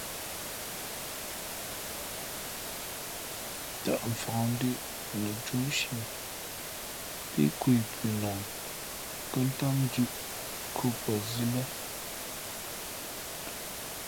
Tαʼ mfakndʉ̄ʼ lαcóʼ nshi pí kwe punok kα̌ʼ tám ndʉ̌ʼ nkhukwα zī lά.